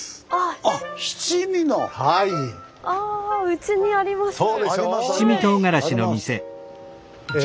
うちにあります。